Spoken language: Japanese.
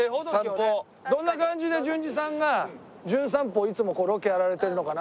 どんな感じで純次さんが『じゅん散歩』いつもロケやられてるのかな。